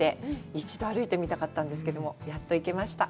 一度、歩いてみたかったんですけど、やっと行けました。